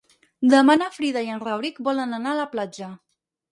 Demà na Frida i en Rauric volen anar a la platja.